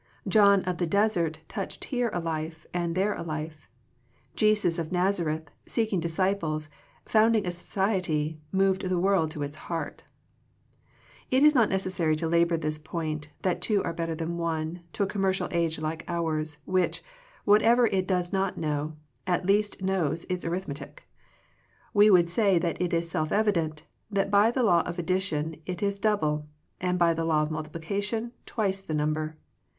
John of the Desert touched here a life, and there a life; Jesus of Nazareth, seek ing disciples, founding a society, moved the world to its heart It is not necessary to labor this point, that two are better than one, to a com mercial age like ours, which, whatever it does not know, at least knows its arith metic. We would say that it is self evi dent, that by the law of addition it is double, and by the law of multiplication twice the number.